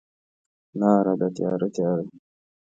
لاره ده تیاره، تیاره